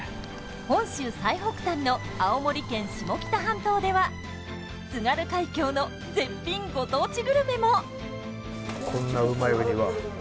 本州最北端の青森県下北半島では津軽海峡の絶品ご当地グルメも！